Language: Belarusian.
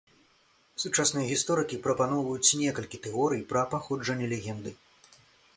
Сучасныя гісторыкі прапаноўваюць некалькі тэорый пра паходжанне легенды.